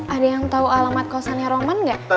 ada yang tau alamat kosannya roman gak